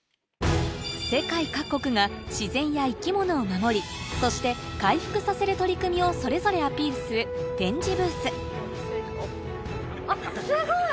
世界各国が自然や生き物を守りそして回復させる取り組みをそれぞれアピールする展示ブース